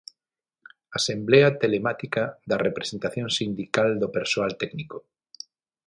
Asemblea telemática da representación sindical do persoal técnico.